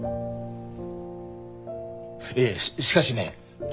いえしかしね